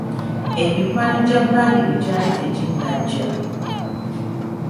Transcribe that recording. Emikwano gya Badru gyali teginajja.